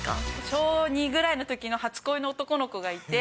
小２ぐらいのときの初恋の男の子がいて。